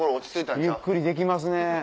ゆっくりできますね。